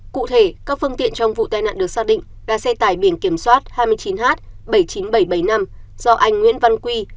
cụ thể các phương tiện trong vụ tai nạn được xác định là xe tải biển kiểm soát hai mươi chín h bảy mươi chín nghìn bảy trăm bảy mươi năm do anh nguyễn văn quy